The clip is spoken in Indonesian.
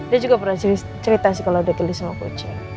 dia juga pernah cerita sih kalau udah tulis sama kucing